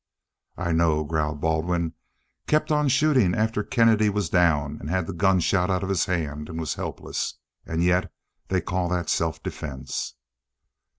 "I know," growled Baldwin. "Kept on shooting after Kennedy was down and had the gun shot out of his hand and was helpless. And yet they call that self defense."